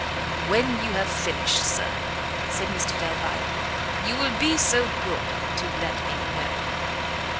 "When you have finished, Sir," said Mr Delvile, "you will be so good to let me know."